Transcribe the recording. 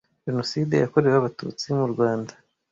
jonoside ya korewe abatutsi mu Rwanda